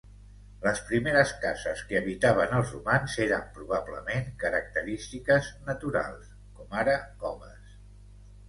Les primeres cases que habitaven els humans eren probablement característiques naturals, com ara coves.